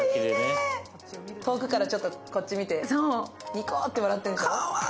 遠くからちょっとこっちを見て、ニコーッて笑ってる。